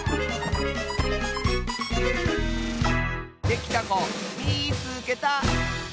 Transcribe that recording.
できたこみいつけた！